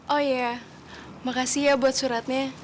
oh iya makasih ya buat suratnya